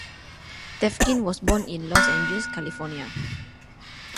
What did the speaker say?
Tefkin was born in Los Angeles, California.